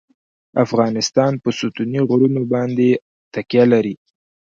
افغانستان په ستوني غرونه باندې تکیه لري.